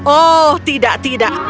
oh tidak tidak